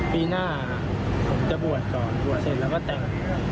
ปีหน้าผมจะบวชก่อนบวชเสร็จแล้วก็แต่ง